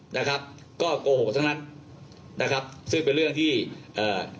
นะครับก็โกหกทั้งนั้นนะครับซึ่งเป็นเรื่องที่เอ่อ